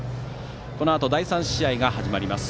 このあと第３試合が始まります。